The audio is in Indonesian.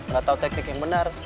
gak tau teknik yang benar